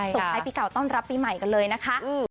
ส่งท้ายปีเก่าต้อนรับปีใหม่กันเลยนะคะ